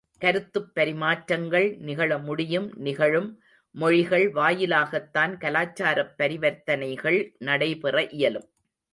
கருத்துப்பரிமாற்றங்கள் நிகழமுடியும் நிகழும் மொழிகள் வாயிலாகத்தான் கலாச்சாரப் பரிவர்த்தனைகள் நடைபெற இயலும்.